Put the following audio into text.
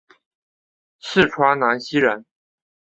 四川南溪人。